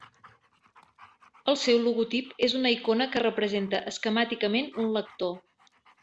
El seu logotip és una icona que representa esquemàticament un lector.